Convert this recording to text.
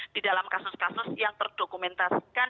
di dalam kasus kasus yang terdokumentasikan